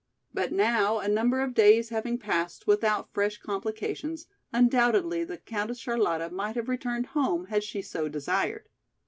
But now a number of days having passed without fresh complications, undoubtedly the Countess Charlotta might have returned home had she so desired.